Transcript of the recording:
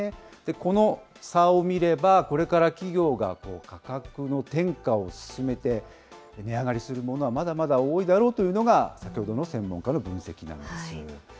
この差を見れば、これから企業が価格の転嫁を進めて、値上がりするモノはまだまだ多いだろうというのが先ほどの専門家の分析なんです。